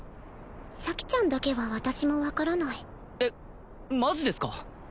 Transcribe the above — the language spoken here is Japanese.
咲ちゃんだけは私も分からないえっマジですか？